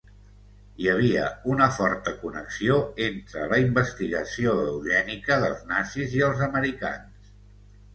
Hi havia una forta connexió entre la investigació eugènica dels nazis i els americans.